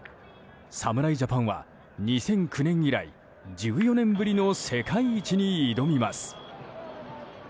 侍ジャパンは、２００９年以来１４年ぶりの世界一に挑みます。